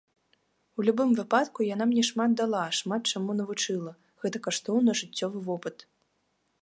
У любым выпадку, яна мне шмат дала, шмат чаму навучыла, гэта каштоўны жыццёвы вопыт.